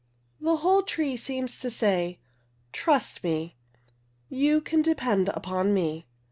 The whole tree seems to say "Trust me, you can depend upon me."